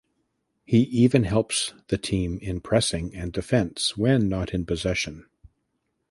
He even helps the team in pressing and defense when not in possession.